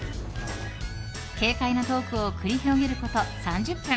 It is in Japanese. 軽快なトークを繰り広げること３０分。